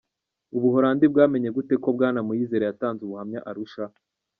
U Buhorandi bwamenye gute ko Bwana Muyizere yatanze ubuhamya Arusha?